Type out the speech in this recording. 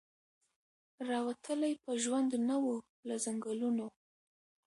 را وتلی په ژوند نه وو له ځنګلونو